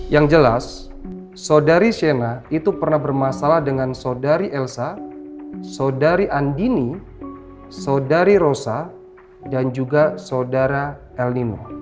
yang jelas saudari shena itu pernah bermasalah dengan saudari elsa saudari andini saudari rosa dan juga saudara el nino